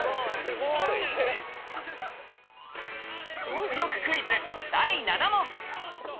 物欲クイズ、第７問。